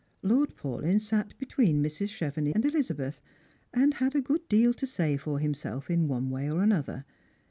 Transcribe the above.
Lord Paulyn sat between Mrs. Chevenix and Elizabeth, and had a good deal to say for himself in one way or another.